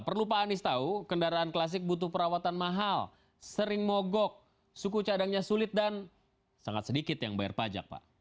perlu pak anies tahu kendaraan klasik butuh perawatan mahal sering mogok suku cadangnya sulit dan sangat sedikit yang bayar pajak pak